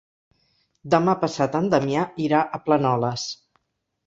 Demà passat en Damià irà a Planoles.